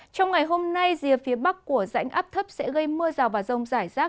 trong ngày hôm nay rìa phía bắc của rãnh áp thấp sẽ gây mưa rào và rông rải rác